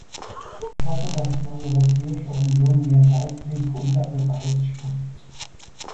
Ich hoffe, dass die Europäische Union mehr Weitblick unter Beweis stellt.